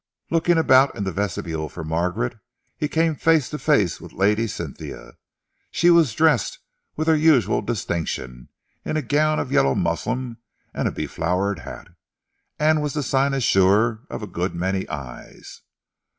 Looking about in the vestibule for Margaret, he came face to face with Lady Cynthia. She was dressed with her usual distinction in a gown of yellow muslin and a beflowered hat, and was the cynosure of a good many eyes.